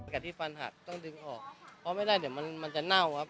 กะทิฟันหัดต้องดึงออกเพราะไม่ได้เดี๋ยวมันจะเน่า